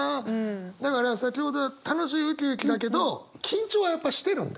だから先ほどは楽しいウキウキだけど緊張はやっぱしてるんだ。